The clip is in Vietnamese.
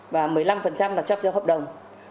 và một mươi năm là cho hợp đồng